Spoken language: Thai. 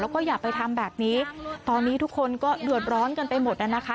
แล้วก็อย่าไปทำแบบนี้ตอนนี้ทุกคนก็เดือดร้อนกันไปหมดน่ะนะคะ